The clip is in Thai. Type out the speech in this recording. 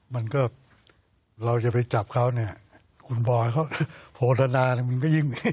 มันก็เราจะไปจับเขาเนี่ยคุณบอยเขาโภทนามันก็ยิ่ง